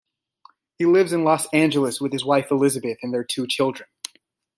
He lives in Los Angeles with his wife Elizabeth and their two children.